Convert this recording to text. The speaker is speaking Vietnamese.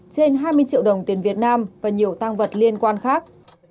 trên hai mươi triệu đồng tiền việt nam và nhiều tăng vật liên quan khác